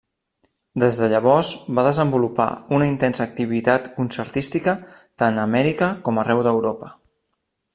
Des de llavors va desenvolupar una intensa activitat concertística tant a Amèrica com arreu d'Europa.